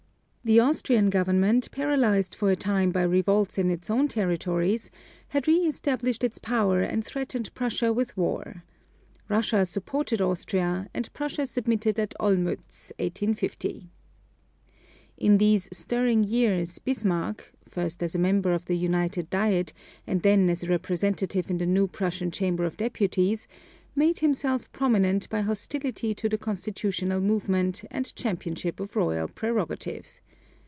The Austrian government, paralyzed for a time by revolts in its own territories, had re established its power and threatened Prussia with war. Russia supported Austria, and Prussia submitted at Olmütz (1850). In these stirring years, Bismarck first as a member of the United Diet and then as a representative in the new Prussian Chamber of Deputies made himself prominent by hostility to the constitutional movement and championship of royal prerogative.